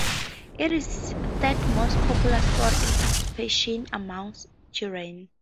It is third most popular sport in participation amongst children.